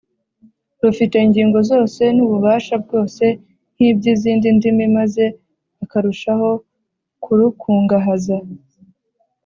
rufite ingingo zose n’ububasha bwose nk’iby’izindi ndimi maze akarushaho kurukungahaza.